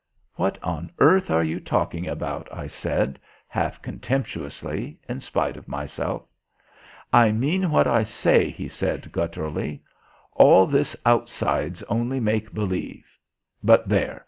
"What on earth are you talking about?" I said, half contemptuously, in spite of myself. "I mean what I say," he said gutturally. "All this outside's only make believe but there!